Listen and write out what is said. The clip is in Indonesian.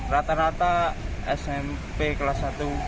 rata rata smp kelas satu